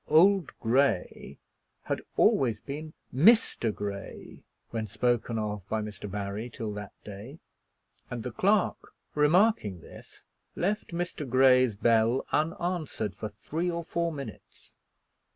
"Old Grey" had always been Mr. Grey when spoken of by Mr. Barry till that day, and the clerk remarking this, left Mr. Grey's bell unanswered for three or four minutes.